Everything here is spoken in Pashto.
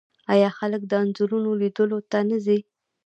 آیا خلک د انځورونو لیدلو ته نه ځي؟